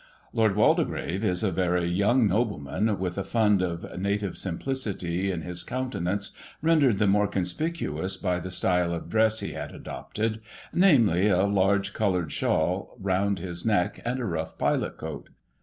Lord Waldegrave is a very young nobleman, with a fund of native simplicity in his countenance, rendered the more conspicuous by the style of dress he had adopted, namely, a large coloured shawl round his neck, and a rough pilot coat.